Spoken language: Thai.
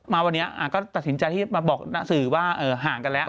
มาวันนี้ก็ตัดสินใจที่มาบอกหน้าสื่อว่าห่างกันแล้ว